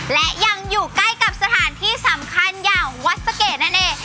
และยังอยู่ใกล้กับสถานที่สำคัญอย่างวัดสะเกดนั่นเอง